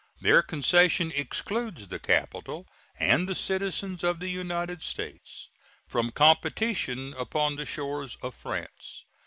Their concession excludes the capital and the citizens of the United States from competition upon the shores of France.